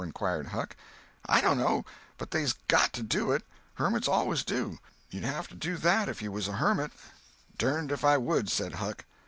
inquired Huck. "I dono. But they've got to do it. Hermits always do. You'd have to do that if you was a hermit." "Dern'd if I would," said Huck.